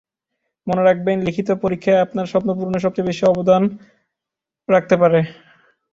মনে রাখবেন, লিখিত পরীক্ষাই আপনার স্বপ্নপূরণে সবচেয়ে বেশি অবদান রাখতে পারে।